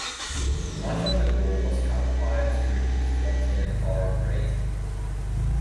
Much of the gore was cut prior to release to obtain an R rating.